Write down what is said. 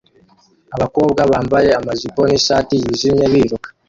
Abakobwa bambaye amajipo nishati yijimye biruka